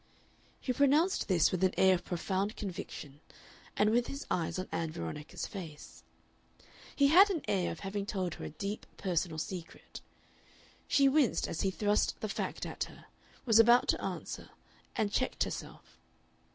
He pronounced this with an air of profound conviction and with his eyes on Ann Veronica's face. He had an air of having told her a deep, personal secret. She winced as he thrust the fact at her, was about to answer, and checked herself.